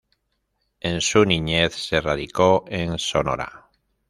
En su niñez se radicó en Sonora.